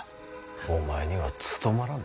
お前には務まらぬ。